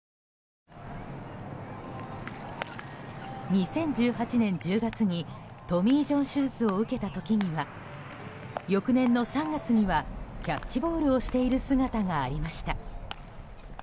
２０１８年１０月にトミー・ジョン手術を受けた時には翌年の３月にはキャッチボールをしている姿がありました。